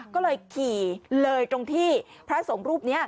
ก็เลยขี่เลยตรงที่พระสงฆ์รูปนี้